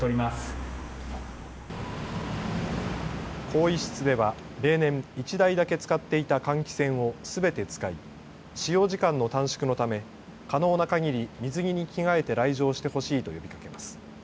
更衣室では例年１台だけ使っていた換気扇をすべて使い使用時間の短縮のため可能なかぎり水着に着替えて来場してほしいと呼びかけます。